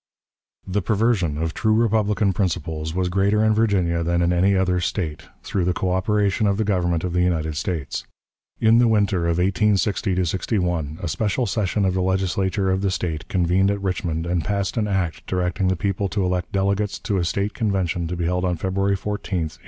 The perversion of true republican principles was greater in Virginia than in any other State, through the coöperation of the Government of the United States. In the winter of 1860 '61 a special session of the Legislature of the State convened at Richmond and passed an act directing the people to elect delegates to a State Convention to be held on February 14, 1861.